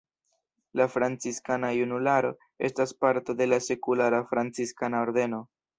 La Franciskana Junularo estas parto de la Sekulara franciskana ordeno.